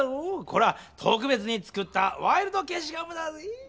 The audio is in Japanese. これはとくべつに作ったワイルドけしごむだぜぇ！